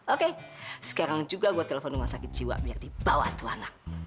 oke sekarang juga gue telepon rumah sakit jiwa yang dibawa tuh anak